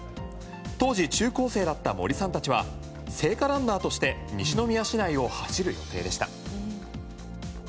当時、中高生だった森さんたちは聖火ランナーとして西宮市内を走る予定でした。